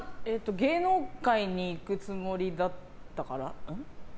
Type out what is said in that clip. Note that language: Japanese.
芸能界に行くつもりだったから？